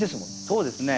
そうですね。